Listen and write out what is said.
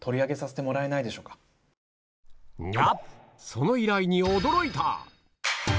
その依頼に驚いた！